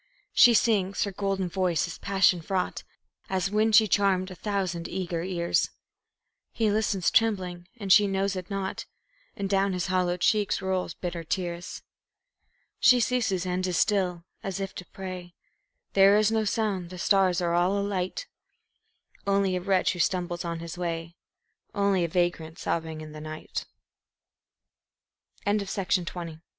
She sings her golden voice is passion fraught, As when she charmed a thousand eager ears; He listens trembling, and she knows it not, And down his hollow cheeks roll bitter tears. She ceases and is still, as if to pray; There is no sound, the stars are all alight Only a wretch who stumbles on his way, Only a vagrant sobbing in the night. The Rhyme